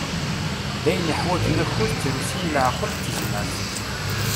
D ayen iḥwaǧen akud d trusi n leɛqel d tezmert.